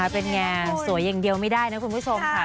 เป็นไงสวยอย่างเดียวไม่ได้นะคุณผู้ชมค่ะ